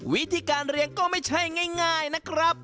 วิธีการเรียงก็ไม่ใช่ง่ายนะครับ